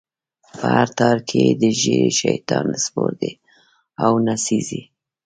په هر تار کی یی د ږیری، شیطان سپور دی او نڅیږی